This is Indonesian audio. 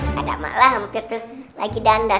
kadang malah hampir tuh lagi dandan